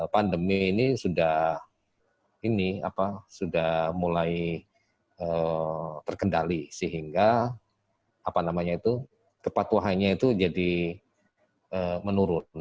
pandemi ini sudah mulai terkendali sehingga kepatuhannya itu jadi menurun